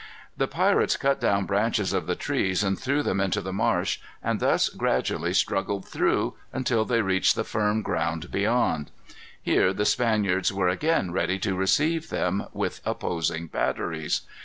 The pirates cut down branches of the trees and threw them into the marsh, and thus gradually struggled through, until they reached the firm ground beyond. Here the Spaniards were again ready to receive them, with opposing batteries.